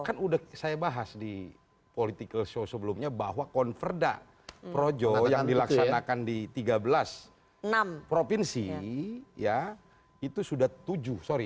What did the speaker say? kan sudah saya bahas di political show sebelumnya bahwa konverda projo yang dilaksanakan di tiga belas provinsi ya itu sudah tujuh sorry